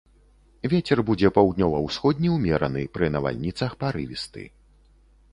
Вецер будзе паўднёва-ўсходні ўмераны, пры навальніцах парывісты.